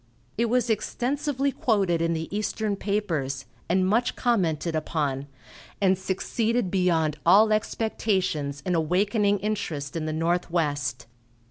It was extensively quoted in the eastern papers, and much commented upon, and succeeded beyond all expectations in awakening interest in the Northwest.